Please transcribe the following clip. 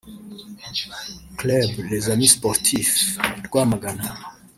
Club les Amis Sportifs (Rwamagana)